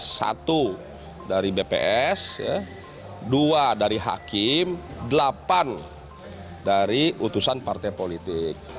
satu dari bps dua dari hakim delapan dari utusan partai politik